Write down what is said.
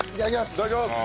いただきます。